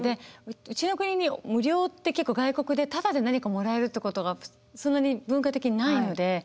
うちの国に無料って結構外国でタダで何かもらえるってことがそんなに文化的にないので。